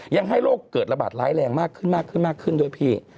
ยังให้โรคเกิดระบาดร้ายแรงมากขึ้นด้วยผี